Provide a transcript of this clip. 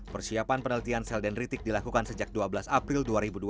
persiapan penelitian sel dendritik dilakukan sejak dua belas april dua ribu dua puluh